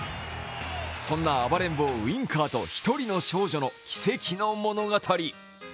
そんな暴れん坊・ウィンカーと一人の少女の物語。